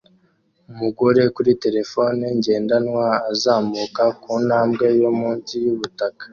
Umugore kuri terefone ngendanwa azamuka kuntambwe yo munsi y'ubutaka